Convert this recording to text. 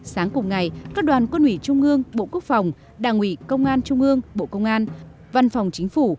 sáng cùng ngày các đoàn quân ủy trung ương bộ quốc phòng đảng ủy công an trung ương bộ công an văn phòng chính phủ